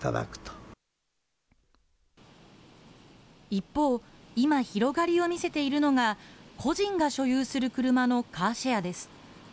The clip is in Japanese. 一方、今、広がりを見せているのが、個人が所有する車のカーシェアです。